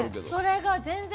それが全然。